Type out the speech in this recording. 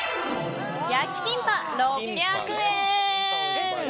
焼きキンパ、６００円。